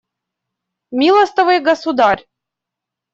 Милостивый государь!